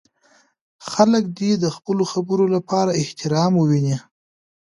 خلک دې د خپلو خبرو لپاره احترام وویني.